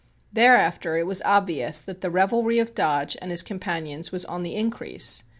Thereafter it was obvious that the revelry of Dodge and his companions was on the increase.